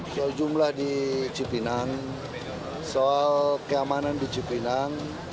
soal jumlah di cipinang soal keamanan di cipinang